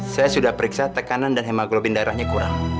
saya sudah periksa tekanan dan hemaglobin darahnya kurang